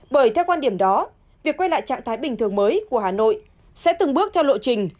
bởi theo quan điểm đó việc quay lại trạng thái bình thường mới của hà nội sẽ từng bước theo lộ trình